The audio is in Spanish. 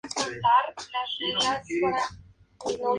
La madera se usa normalmente en la manufactura de guitarras.